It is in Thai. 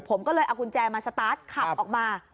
ผมก็เลยเอากุญแจมาสตาร์ทขับออกมา